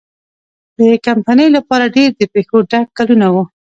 د کمپنۍ لپاره ډېر د پېښو ډک کلونه وو.